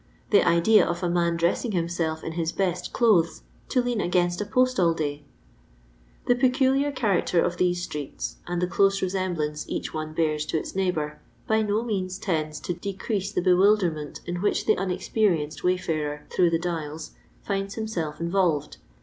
The idea of a man dressing himself in his best clothes, to lean against a post all day I " The peculiar character of these streets, and the close resemblance each one bean to its neigh bour, by no means tends to decrease the bewilder ment in which the unexperienced wayfarer through ' the Dials * finds himself involved.